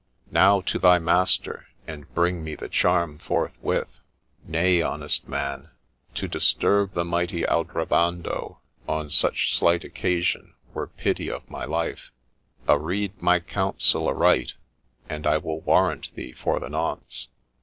' Now to thy master, and bring me the charm forthwith.' ' Nay, honest man ; to disturb the mighty Aldrovando on such slight occasion were pity of my life : areed my counsel aright, and I will warrant thee for the nonce.